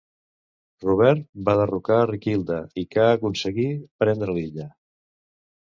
Robert va derrotar a Riquilda i ca aconseguir prendre Lilla.